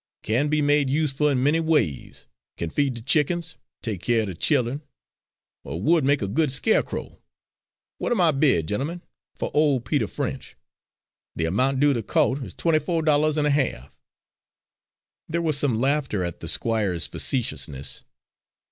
Can be made useful in many ways can feed the chickens, take care of the children, or would make a good skeercrow. What I am bid, gentlemen, for ol' Peter French? The amount due the co't is twenty fo' dollahs and a half." There was some laughter at the Squire's facetiousness.